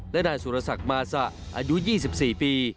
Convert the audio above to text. และนายสุรศักดิ์มาสะอายุ๒๔ปี